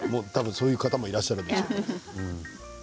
そういう方もいらっしゃるでしょう。